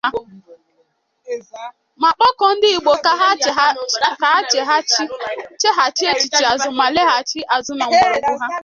ma kpọkuo ndị Igbo ka ha cheghachi echiche azụ ma laghachi azụ na mgbọrọgwụ ha